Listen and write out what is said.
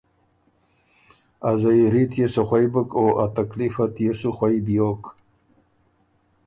ا ”زيیري تيې سو خوئ بُک او ا تکلیف ات يې سو خوئ بیوک“